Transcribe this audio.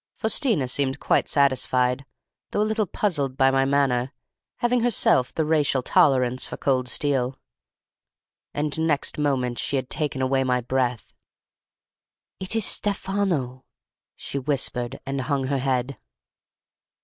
Faustina seemed quite satisfied, though a little puzzled by my manner, having herself the racial tolerance for cold steel; and next moment she had taken away my breath. 'It is Stefano,' she whispered, and hung her head.